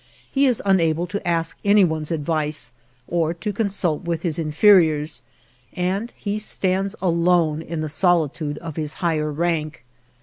He is unable to ask any one's advice, or to consult with his inferiors, and he stands alone in the solitude of his higher rank.